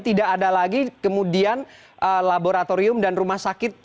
tidak ada lagi kemudian laboratorium dan rumah sakit